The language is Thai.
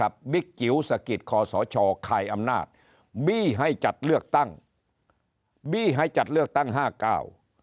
บี้ให้จัดเลือกตั้งบี้ให้จัดเลือกตั้งห้าเก้า